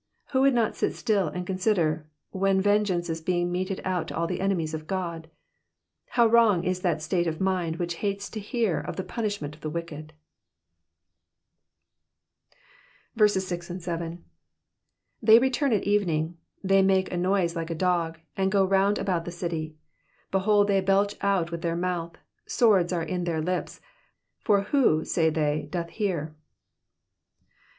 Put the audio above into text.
Who would not sit still and consider, when yengeance is being meted out to all the enemies of God ? How wrong is that state of mind which hates to hear of the punishment of the wicked ! 6 They return at evening : they make a noise like a dog, and go round about the city. 7 Behold, they belch out of their mouth : swords are in their lips : for who, say they^ doth hear